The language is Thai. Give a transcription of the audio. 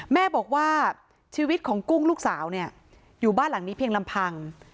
แม่บอกว่าชีวิตของกุ้งลูกสาวเนี่ยอยู่บ้านหลังนี้เพียงลำพัง